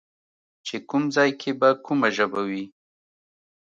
چې کوم ځای کې به کومه ژبه وي